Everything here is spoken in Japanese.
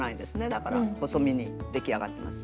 だから細身に出来上がってます。